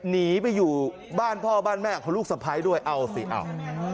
หนีไปอยู่บ้านพ่อบ้านแม่ของลูกสะพ้ายด้วยเอาสิเอา